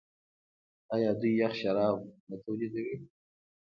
آیا دوی یخ شراب نه تولیدوي؟